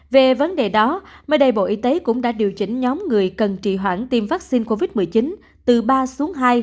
về vấn đề đó mới đây bộ y tế cũng đã điều chỉnh nhóm người cần trị hoãn tiêm vaccine covid một mươi chín từ ba xuống hai